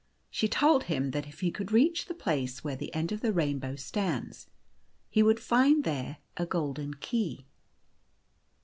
She told him that if he could reach the place where the end of the rain bow stands he would find there a golden key.